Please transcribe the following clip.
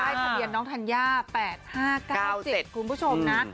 ทะเบียนน้องธัญญา๘๕๙๗คุณผู้ชมนะ